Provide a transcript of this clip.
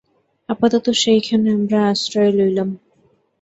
আপাতত সেইখানে আমরা আশ্রয় লইলাম।